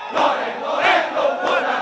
goreng goreng lompon dan